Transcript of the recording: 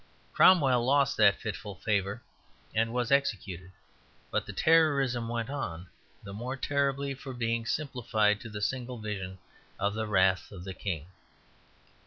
Cromwell lost that fitful favour and was executed, but the terrorism went on the more terribly for being simplified to the single vision of the wrath of the King.